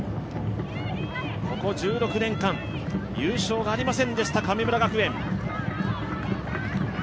ここ１６年間優勝がありませんでした神村学園。